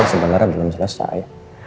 sebenarnya belum selesai